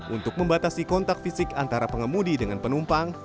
untuk membatasi kontak fisik antara pengemudi dengan penumpang